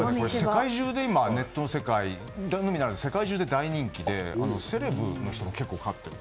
今、ネットの世界のみならず世界中で大人気でセレブの人も結構飼っている。